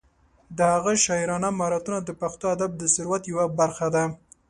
د هغه شاعرانه مهارتونه د پښتو ادب د ثروت یوه برخه ده.